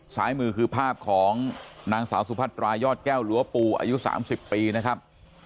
สายมือคือภาพของนางสาวสุภัทรายยอดแก้วล๊วงรัฐปู่ตั้งอายุ๓๐ปีนะครับ